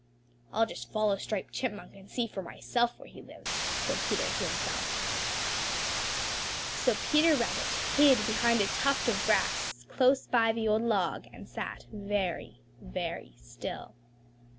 "I'll just follow Striped Chipmunk and see for myself where he lives," said Peter to himself. So Peter Rabbit hid behind a tuft of grass close by the old log and sat very, very still.